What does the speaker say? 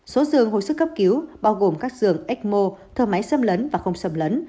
số dường hồi sức cấp cứu bao gồm các dường ecmo thơ máy xâm lấn và không xâm lấn